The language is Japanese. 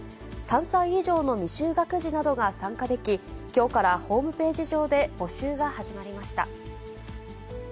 ３歳以上の未就学児などが参加でき、きょうからホームページ上で募集が始まりました。